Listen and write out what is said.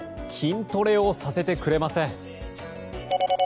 筋トレをさせてくれません。